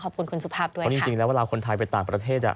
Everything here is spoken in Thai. ขอบคุณคุณสุภาพด้วยเพราะจริงแล้วเวลาคนไทยไปต่างประเทศอ่ะ